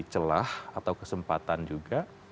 celah atau kesempatan juga